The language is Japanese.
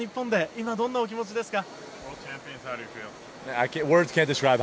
今、どんなお気持ちですか。